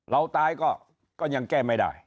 เราตายก็ยังแก้ไม่ได้